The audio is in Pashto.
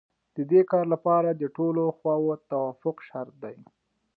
د دې کار لپاره د ټولو خواوو توافق شرط دی